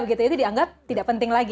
itu dianggap tidak penting lagi